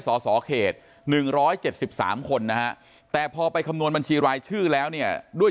สสเขต๑๗๓คนนะฮะแต่พอไปคำนวณบัญชีรายชื่อแล้วเนี่ยด้วย